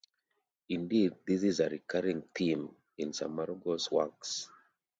Indeed, this is a recurring theme in Saramago's works.